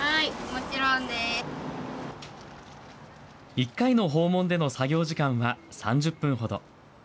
１回の訪問での作業時間は３０分ほど。